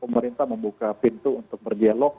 pemerintah membuka pintu untuk berdialog